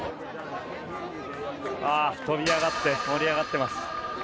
跳び上がって盛り上がってます。